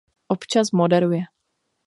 Občas moderuje.